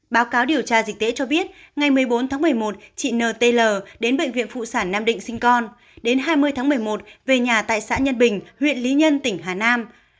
báo cáo điều tra dịch tễ cho biết ngày một mươi bốn tháng một mươi một chị nt đến bệnh viện phụ sản nam định sinh con đến hai mươi tháng một mươi một về nhà tại xã nhân bình huyện lý nhân tỉnh hà nam